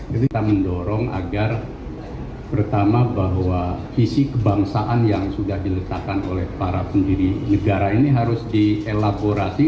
kita mendorong agar pertama bahwa visi kebangsaan yang sudah diletakkan oleh para pendiri negara ini harus dielaborasi